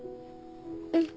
うん。